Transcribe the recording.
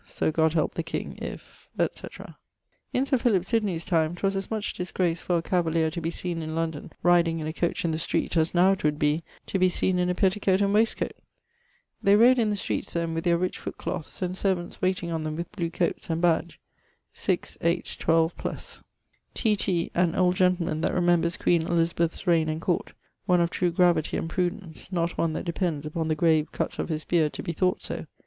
So God help the king if, etc. In Sir Philip Sydney's time 'twas as much disgrace for a cavalier to be seen in London rideing in a coach in the street as now 'twould be to be seen in a petticoate and wastcoate. They rode in the streets then with their rich footcloathes, and servants wayting on them with blewe coates and badge, 6, 8, 12 +. T. T., an old gentleman that remembers Queen Elizabeth's raigne and court, one of true gravity and prudence, not one that depends upon the grave cutt of his beard to be thought so.